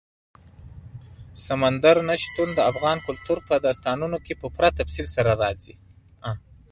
سمندر نه شتون د افغان کلتور په داستانونو کې په پوره تفصیل سره راځي.